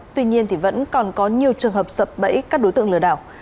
tuy nhiên vẫn còn có nhiều trường hợp sập bẫy các đối tượng lừa đảo